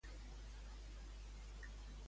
Per què es delia?